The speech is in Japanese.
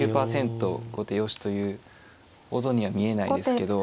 後手よしというほどには見えないですけど。